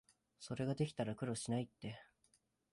それができたら苦労しないって